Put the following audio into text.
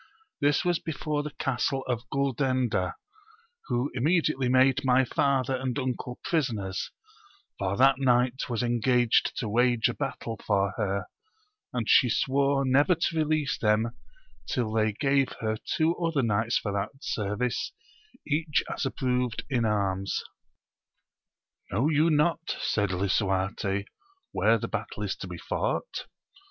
This was before the Castle of Guldenda, who imme" cUately made my father and uncle prisoners, for that knight was engaged to wage a battle for her, and she swore never to release them till they gave her two other knights for that service, each as approved in arms. Know you not, said lisuarte, where the battle is to be fought